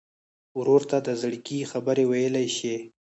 ورور ته د زړګي خبره ویلی شې.